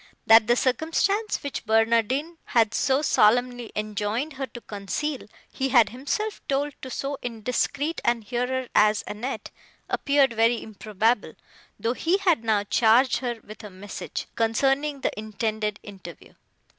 That the circumstance, which Barnardine had so solemnly enjoined her to conceal, he had himself told to so indiscreet a hearer as Annette, appeared very improbable, though he had now charged her with a message, concerning the intended interview.